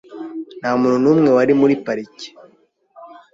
Nta muntu n'umwe wari muri parike .